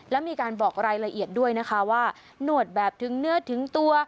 และมีการบอกรายละเอียดด้วยนะคะว่าหนวดแบบถึงเนื้อถึงตัว